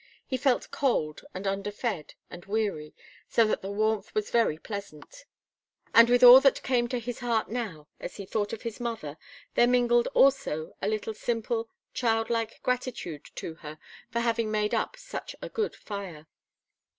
He felt cold and underfed and weary, so that the warmth was very pleasant; and with all that came to his heart now, as he thought of his mother, there mingled also a little simple, childlike gratitude to her for having made up such a good fire.